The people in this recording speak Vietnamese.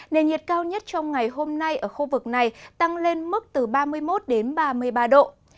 nền nhiệt cao nhất trong ngày hôm nay ở khu vực này tăng lên mức từ ba mươi một đến ba mươi ba độ